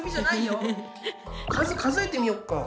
数数えてみよっか。